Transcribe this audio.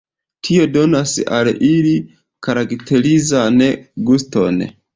Tio donas al ili karakterizan guston.